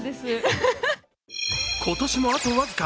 今年もあと僅か。